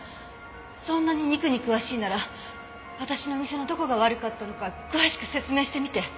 そんなに肉に詳しいなら私の店のどこが悪かったのか詳しく説明してみて。